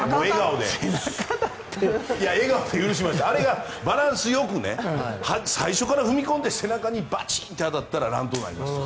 あれがバランスよく最初から踏み込んで背中にバチンと当たったら乱闘になりますよ。